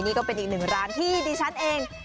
นี่ก็เป็นอีกหนึ่งร้านที่ดิฉันเอง